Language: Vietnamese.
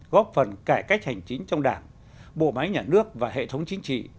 góp phần cải cách hành chính trong đảng bộ máy nhà nước và hệ thống chính trị